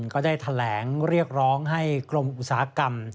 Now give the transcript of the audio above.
ก็ได้แถลงเรียกร้องให้กรมอุตสาหกรรม